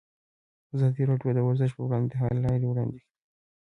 ازادي راډیو د ورزش پر وړاندې د حل لارې وړاندې کړي.